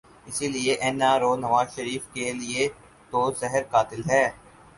اس لیے N R O Nawaz Sharif کیلئے تو زہر قاتل ہے۔